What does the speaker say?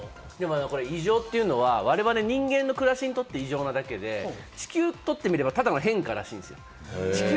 異常というのは我々人間の暮らしにとって異常なだけで、地球にとってみれば、ただの変化らしいんですよ。